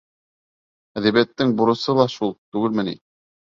Әҙәбиәттең бурысы ла шул түгелме ни?!